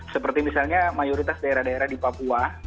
seperti misalnya mayoritas daerah daerah di papua